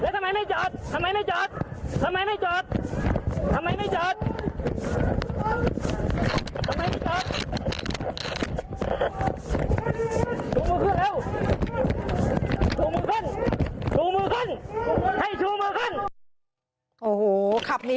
ส่วนดี